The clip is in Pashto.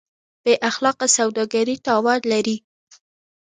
بېاخلاقه سوداګري تاوان لري.